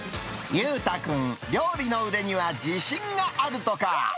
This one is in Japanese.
裕太君、料理の腕には自信があるとか。